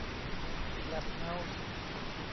แล็บเฮ้าส์